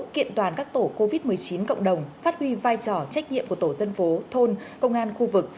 kiện toàn các tổ covid một mươi chín cộng đồng phát huy vai trò trách nhiệm của tổ dân phố thôn công an khu vực